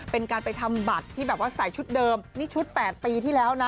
เป็นการไปทำบัตรที่แบบว่าใส่ชุดเดิมนี่ชุด๘ปีที่แล้วนะ